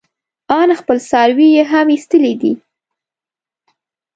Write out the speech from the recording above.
ان خپل څاروي يې هم ايستلي دي.